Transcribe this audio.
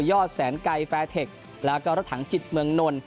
อดแสนไก่แฟร์เทคแล้วก็รถถังจิตเมืองนล